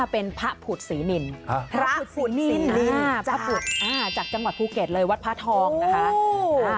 เป็นพระผุดศรีนินพระผุดจากจังหวัดภูเก็ตเลยวัดพระทองนะคะ